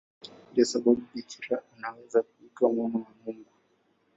Ndiyo sababu Bikira Maria anaweza kuitwa Mama wa Mungu.